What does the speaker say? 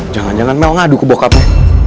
jangan jangan memang ngadu ke bokapnya